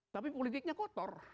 tapi politiknya kotor